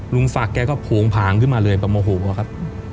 ลุงศักดิ์แกก็โผงผางขึ้นมาเลยแบบโมโหครับ